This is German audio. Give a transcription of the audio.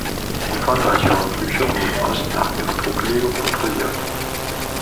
Umfangreichere Bücher wurden erst nach ihrer Drucklegung kontrolliert.